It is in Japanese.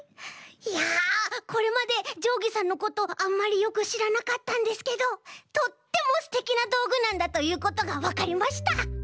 いやこれまでじょうぎさんのことあんまりよくしらなかったんですけどとってもステキなどうぐなんだということがわかりました。